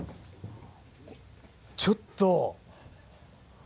ちょっと。